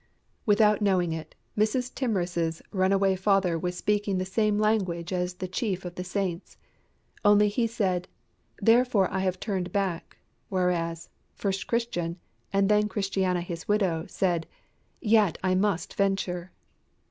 Without knowing it, Mrs. Timorous's runaway father was speaking the same language as the chief of the saints. Only he said, "Therefore I have turned back," whereas, first Christian, and then Christiana his widow, said, "Yet I must venture!"